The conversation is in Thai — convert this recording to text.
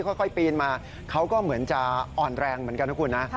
ปีนมาเขาก็เหมือนจะอ่อนแรงเหมือนกันนะคุณนะ